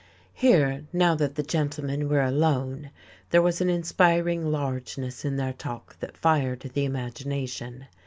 Here, now that the gentlemen were alone, there was an inspiring largeness in their talk that fired the imagination.